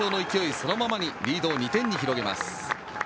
そのままにリードを２点に広げます。